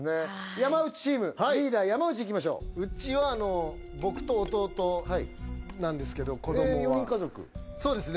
山内チームリーダー山内いきましょううちは僕と弟なんですけど子供がそうですね